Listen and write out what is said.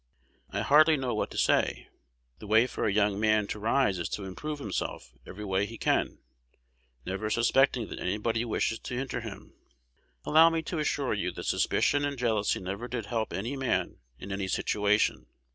I hardly know what to say. The way for a young man to rise is to improve himself every way he can, never suspecting that anybody wishes to hinder him. Allow me to assure you that suspicion and jealousy never did help any man in any situation.